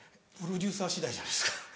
プロデューサー次第じゃないですか？